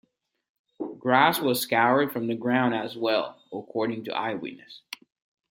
Grass was scoured from the ground as well, according to eyewitnesses.